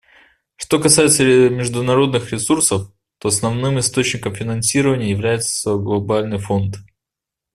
Что касается международных ресурсов, то основным источником финансирования является Глобальный фонд.